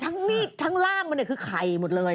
ทั้งนิดถ้างล่างมันคือไข่หมดเลย